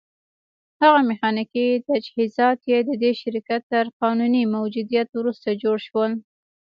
هغه ميخانيکي تجهيزات چې د دې شرکت تر قانوني موجوديت وروسته جوړ شول.